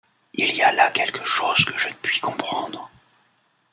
Il y a là quelque chose que je ne puis comprendre